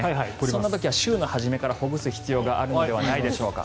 そんな時は週の初めからほぐす必要があるのではないでしょうか。